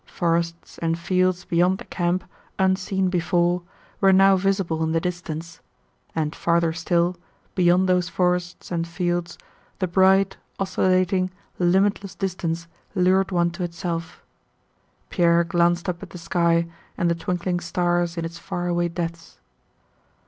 Forests and fields beyond the camp, unseen before, were now visible in the distance. And farther still, beyond those forests and fields, the bright, oscillating, limitless distance lured one to itself. Pierre glanced up at the sky and the twinkling stars in its faraway depths.